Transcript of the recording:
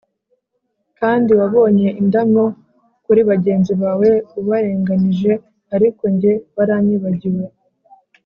kandi wabonye indamu kuri bagenzi bawe ubarenganije, ariko jye waranyibagiwe